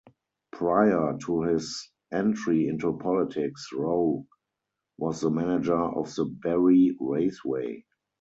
Prior to his entry into politics, Rowe was the manager of the Barrie Raceway.